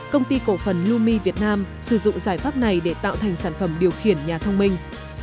công ty cổ phần lumi việt nam sử dụng giải pháp này để tạo thành sản phẩm điều khiển nhà thông minh